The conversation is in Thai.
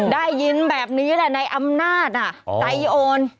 ได้ยินแบบนี้แหละในอำนาจใจโอน